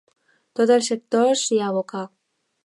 Tot el sector s'hi aboca.